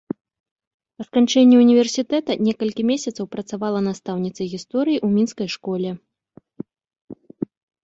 Па сканчэнні ўніверсітэта, некалькі месяцаў працавала настаўніцай гісторыі ў мінскай школе.